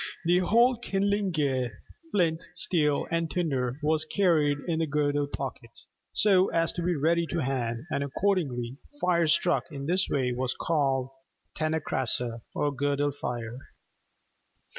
The whole kindling gear flint, steel, and tinder was carried in the girdle pocket, so as to be ready to hand; and accordingly, fire struck in this way was called tinnĕ crassa, 'girdle fire.